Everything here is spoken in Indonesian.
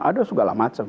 ada segala macam